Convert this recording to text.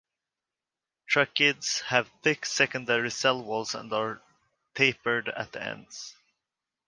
Tracheids have thick secondary cell walls and are tapered at the ends.